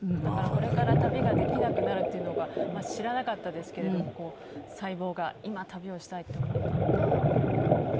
だからこれから旅ができなくなるっていうのが知らなかったですけれども細胞が今旅をしたいって思ったのか。